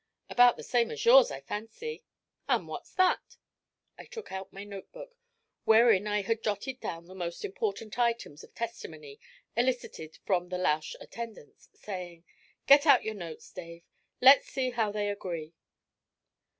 'About the same as yours, I fancy.' 'And what's that?' I took out my notebook, wherein I had jotted down the most important items of testimony elicited from the Lausch attendants, saying: 'Get out your notes, Dave; let's see how they agree.'